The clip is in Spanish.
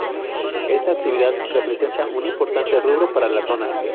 Esta actividad representa un importante rubro para la Zona.